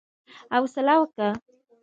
حوصله وکه!